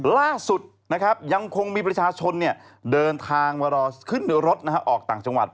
ล่าสุดนะครับยังคงมีประชาชนเดินทางมารอขึ้นรถออกต่างจังหวัด